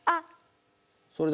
あっ。